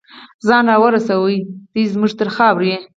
ځان راورسوي دی زمونږ تر خاورې